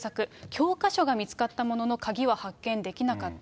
教科書が見つかったものの、鍵は発見できなかった。